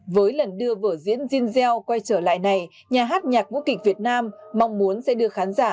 với lần đưa vở diễn jean gell quay trở lại này nhà hát nhạc vũ kịch việt nam mong muốn sẽ đưa khán giả